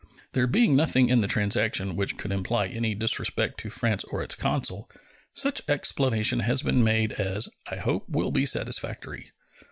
There being nothing in the transaction which could imply any disrespect to France or its consul, such explanation has been made as, I hope, will be satisfactory.